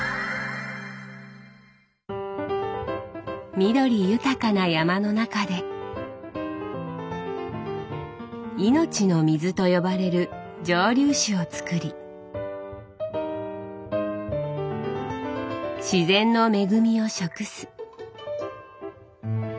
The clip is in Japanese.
緑豊かな山の中で「命の水」と呼ばれる蒸留酒をつくり「自然の恵み」を食す。